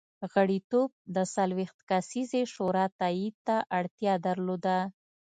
غړیتوب د څلوېښت کسیزې شورا تایید ته اړتیا درلوده.